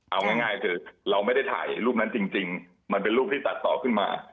เอาง่ายคือเราไม่ได้ถ่ายรูปนั้นจริงมันเป็นรูปที่ตัดต่อขึ้นมา